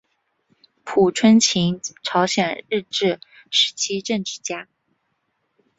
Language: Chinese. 朴春琴朝鲜日治时期政治家。